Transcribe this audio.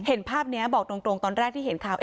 เห็นภาพนี้บอกตรงตอนแรกที่เห็นข่าว